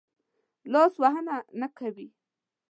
لاس وهنه نه کوي.